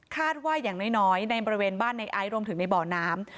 ว่าอย่างน้อยในบริเวณบ้านในไอซ์รวมถึงในบ่อน้ำ